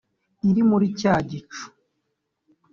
iri muri cya gicu